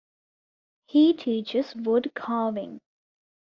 He teaches woodcarving.